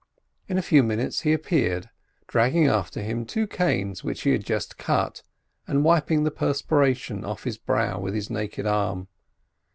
In a few minutes he appeared, dragging after him two canes which he had just cut, and wiping the perspiration off his brow with his naked arm.